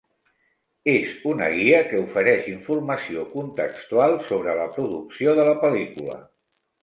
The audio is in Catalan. és una guia que ofereix informació contextual sobre la producció de la pel·lícula.